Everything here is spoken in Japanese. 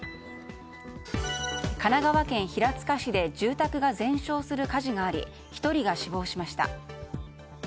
神奈川県平塚市で住宅が全焼する火事があり１人が死亡しました。